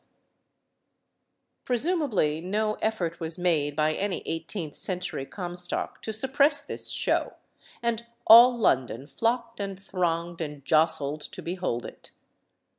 256 STORIES OF THE SUPER WOMEN Presumably no effort was made by any eighteenth century Comstock to suppress this show, and all London flocked and thronged and jostled to behold it.